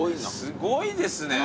すごいですね。